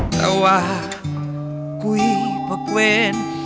แต่ว่ากุยพักเว้น